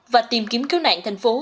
và tìm kiếm cứu nạn thành phố